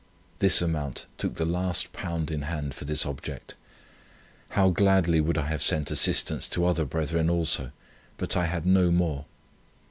This amount took the last pound in hand for this object. How gladly would I have sent assistance to other brethren also, but I had no more.